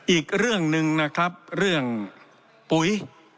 อีกเรื่องหนึ่งนะครับเรื่องปุ๋ย